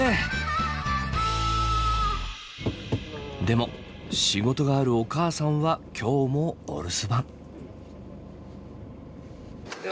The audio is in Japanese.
でも仕事があるお母さんは今日もお留守番。